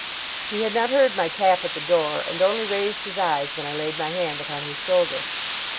He had not heard my tap at the door, and only raised his eyes when I laid my hand upon his shoulder.